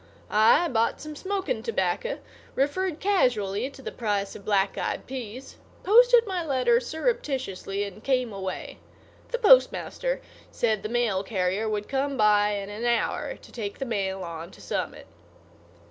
I bought some smoking tobacco, referred casually to the price of black eyed peas, posted my letter surreptitiously and came away. The postmaster said the mail carrier would come by in an hour to take the mail on to Summit.